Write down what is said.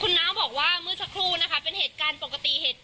น้าบอกว่าเมื่อสักครู่นะคะเป็นเหตุการณ์ปกติเหตุ